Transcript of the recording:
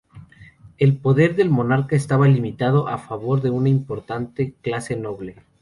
El poder del monarca estaba limitado, a favor de una importante clase noble.